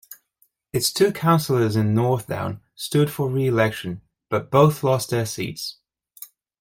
Its two councillors in North Down stood for re-election, but both lost their seats.